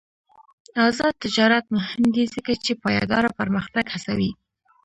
آزاد تجارت مهم دی ځکه چې پایداره پرمختګ هڅوي.